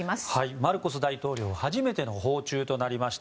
マルコス大統領初めての訪中となりました。